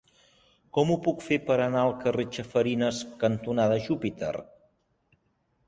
Com ho puc fer per anar al carrer Chafarinas cantonada Júpiter?